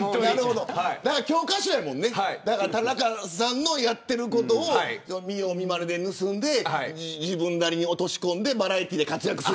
教科書やもんね、田中さんのやってることを見よう見まねで盗んで自分なりに落とし込んでバラエティーで活躍する。